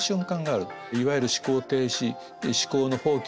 いわゆる思考停止思考の放棄